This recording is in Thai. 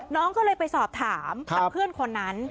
น้องก็เลยไปสอบถามกับเพื่อนคนนั้น